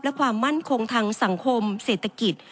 และความมั่นคงทางสังคมเศรษฐกิจ